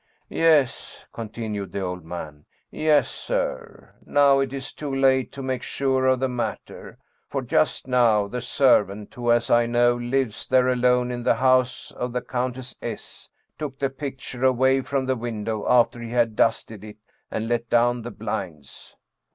" Yes," continued the old man, " yes, sir. Now it is too late to make sure of the matter, for just now the servant, 143 German Mystery Stories who, as I know, lives there alone in the house of the Coun tess S., took the picture away from the window after he had dusted it, and let down the blinds."